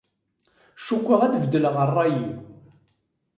Ckukkeɣ ad beddleɣ rray-iw.